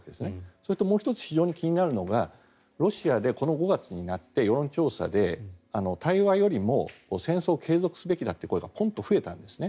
それともう１つ気になるのがロシアでこの５月になって世論調査で対話よりも戦争を継続すべきだという声がポンと増えたんですね。